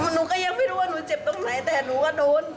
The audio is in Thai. หนูก็ยังไม่รู้ว่าหนูเจ็บตรงไหนแต่หนูก็โดน